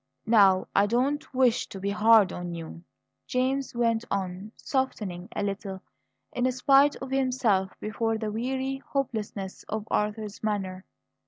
"Now, I do not wish to be hard on you," James went on, softening a little in spite of himself before the weary hopelessness of Arthur's manner.